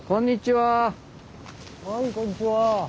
はいこんにちは。